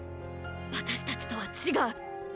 私たちとは違う。